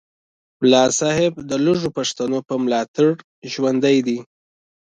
ملا صاحب د لږو پښتنو په ملاتړ ژوندی دی